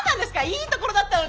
いいところだったのに。